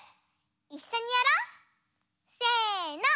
いっしょにやろう！せの。